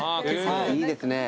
いいですね。